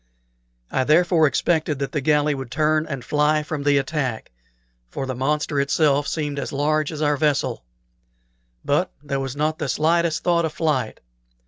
I therefore expected that the galley would turn and fly from the attack, for the monster itself seemed as large as our vessel; but there was not the slightest thought of flight.